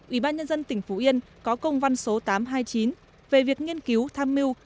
ủy ban nhân dân tỉnh phú yên có công văn số tám trăm hai mươi chín về việc nghiên cứu tham mưu